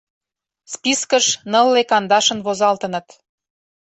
Спискыш нылле кандашын возалтыныт.